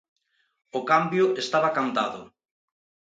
O cambio estaba cantado.